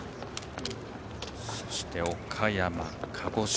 そして岡山、鹿児島。